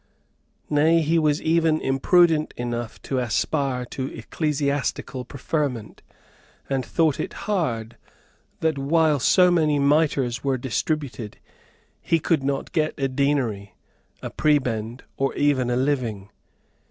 Nay, he was even impudent enough to aspire to ecclesiastical preferment, and thought it hard that, while so many mitres were distributed, he could not get a deanery, a prebend, or even a living.